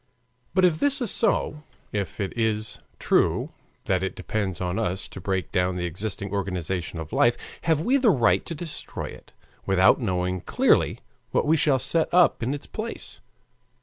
But if this is so, if it is true that it depends on us to break down the existing organization of life, have we the right to destroy it, without knowing clearly what we shall set up in its place?